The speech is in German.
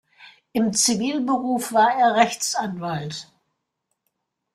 Im Zivilberuf war er Rechtsanwalt.